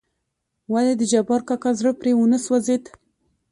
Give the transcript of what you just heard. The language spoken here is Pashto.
ولې دجبار کاکا زړه پرې ونه سوزېد .